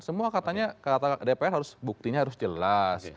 semua katanya dpr harus buktinya harus jelas